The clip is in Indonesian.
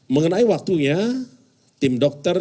mengenai waktunya tim dokter